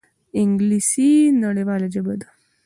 انګلیسي نړیواله ژبه ده